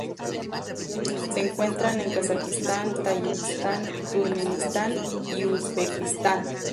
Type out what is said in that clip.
Se encuentran en Kazajistán, Tayikistán, Turkmenistán y Uzbekistán.